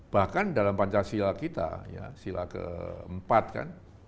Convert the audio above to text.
bahkan dalam pancasila kita ya sila keempat kan